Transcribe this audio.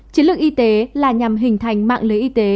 chiến lược y tế là nhằm hình thành mạng lưới y tế